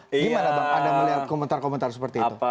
gimana bang anda melihat komentar komentar seperti itu